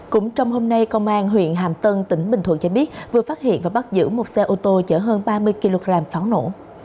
cũng trong hôm nay công an huyện hàm tân tỉnh bình thuận cho biết vừa phát hiện và bắt giữ một xe ô tô chở hơn ba mươi kg pháo nổ